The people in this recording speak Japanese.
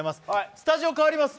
スタジオ、変わります。